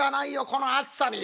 この暑さに。